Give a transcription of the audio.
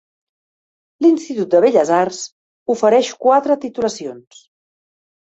L'Institut de Belles Arts ofereix quatre titulacions.